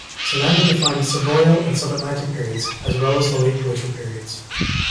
Sernander defined subboreal and subatlantic periods, as well as the late glacial periods.